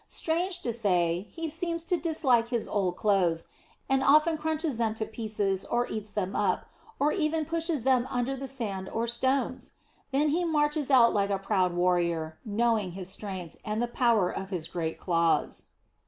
Strange to say, he seems to dislike his old clothes, and often crunches them to pieces or eats them up, or even pushes them under the sand or stones! Then he marches out like a proud warrior, knowing his strength, and the power of his great claws.